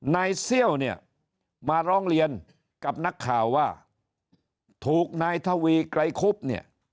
เซี่ยวเนี่ยมาร้องเรียนกับนักข่าวว่าถูกนายทวีไกรคุบเนี่ย